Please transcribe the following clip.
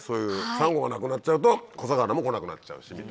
サンゴがなくなっちゃうと小魚も来なくなっちゃうしみたいな。